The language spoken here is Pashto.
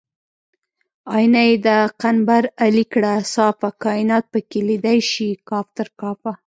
آیینه یې د قنبر علي کړه صافه کاینات پکې لیدی شي کاف تر کافه